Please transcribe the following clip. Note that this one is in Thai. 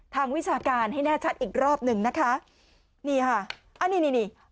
วิชาการให้แน่ชัดอีกรอบหนึ่งนะคะนี่ค่ะอันนี้นี่นี่